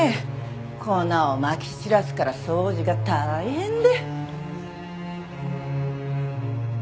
粉をまき散らすから掃除が大変で。